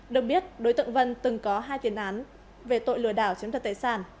đồng biết đối tượng vân từng có hai tiền án về tội lừa đảo chiếm đoạt tài sản